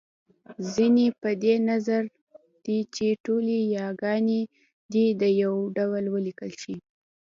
ځينې په دې نظر دی چې ټولې یاګانې دې يو ډول وليکل شي